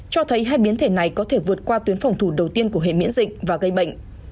cho thấy hai biến thể này có thể vượt qua tuyến phòng thủ đầu tiên của hệ miễn dịch và gây bệnh